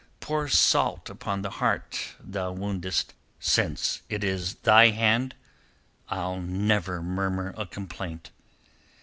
Pour salt upon the heart thou woundest; since it is thy hand I'll never murmur a complaint.